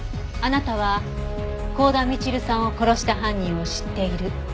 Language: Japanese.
あなたは幸田みちるさんを殺した犯人を知っている。